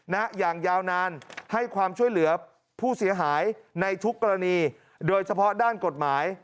อย่างยาวนานให้ความช่วยเหลือผู้เสียหายในทุกกรณีโดยเฉพาะด้านกฎหมาย